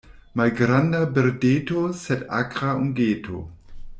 Malgranda birdeto, sed akra ungeto.